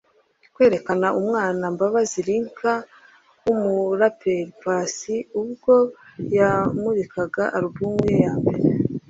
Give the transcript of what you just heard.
Kwerekana umwana Mbabazi Linka kw’umuraperi Paccy ubwo yamurikaga alubumu ye ya mbere